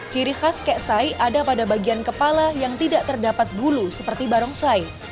ciri khas keksai ada pada bagian kepala yang tidak terdapat bulu seperti barongsai